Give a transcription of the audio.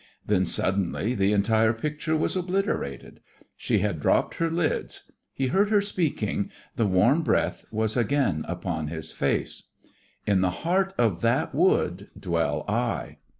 Then suddenly the entire picture was obliterated. She had dropped her lids. He heard her speaking the warm breath was again upon his face: "In the heart of that wood dwell I."